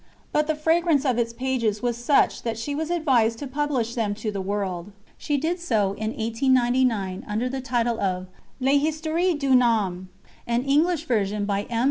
But the fragrance of its pages was such that she was advised to publish them to the world. She did so in 1899 under the title of L'Histoire d'une Âme. An English version by M.